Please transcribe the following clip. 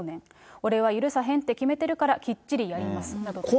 俺は許さへんって決めてるから、きっちりやりますなどと言っています。